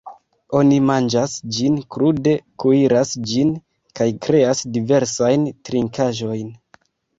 Oni manĝas ĝin krude, kuiras ĝin, kaj kreas diversajn trinkaĵojn.